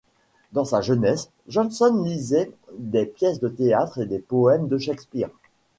Dans sa jeunesse, Johnson lisait des pièces de théâtre et des poèmes de Shakespeare.